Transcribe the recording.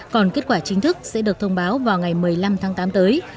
còn kết quả chính thức sẽ được thông báo vào ngày một mươi năm tháng tám tới